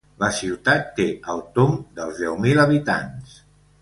La ciutat té al tomb dels deu mil habitants.